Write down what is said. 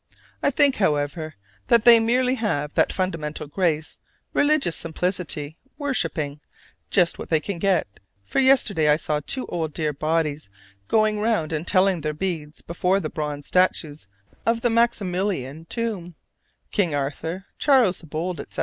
I think, however, that they merely have that fundamental grace, religious simplicity, worshiping just what they can get, for yesterday I saw two dear old bodies going round and telling their beads before the bronze statues of the Maximilian tomb King Arthur, Charles the Bold, etc.